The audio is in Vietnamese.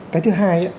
cái thứ hai